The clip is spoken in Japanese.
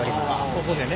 ここでね。